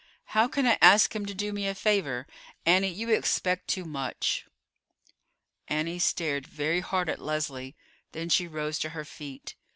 How can I ask him to do me a favor? Annie, you expect too much." Annie stared very hard at Leslie; then she rose to her feet.